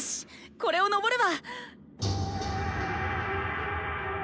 これをのぼれば！